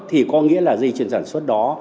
thì có nghĩa là dây chuyển sản xuất đó